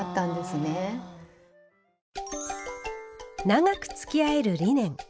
長くつきあえるリネン。